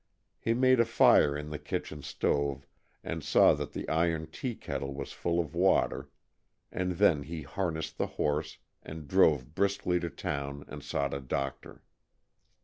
He made a fire in the kitchen stove and saw that the iron tea kettle was full of water, and then he harnessed the horse and drove briskly to town and sought a doctor.